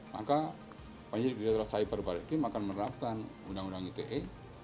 maka penyelidik di daerah cyber bariskin akan menerapkan undang undang ite